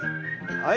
はい。